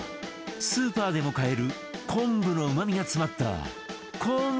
スーパーでも買える昆布のうまみが詰まったこんぶ茶